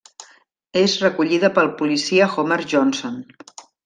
És recollida pel policia Homer Johnson.